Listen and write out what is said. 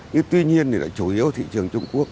nhưng tuy nhiên thì là chủ yếu thị trường trung quốc